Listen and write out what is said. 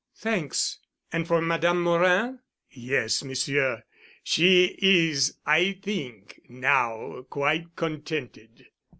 "Thanks. And for Madame Morin?" "Yes, Monsieur. She is, I think, now quite contented."